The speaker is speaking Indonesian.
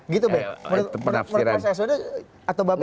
gitu bek menurut saya sudah menurut saya sudah